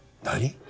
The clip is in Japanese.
何？